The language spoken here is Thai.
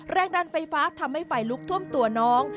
แรงดันไฟฟ้าทำให้ไฟลุกท่วมตัวน้อง